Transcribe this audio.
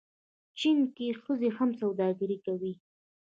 چین کې ښځې هم سوداګري کوي.